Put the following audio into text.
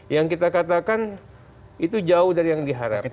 yang kita katakan itu jauh dari yang diharapkan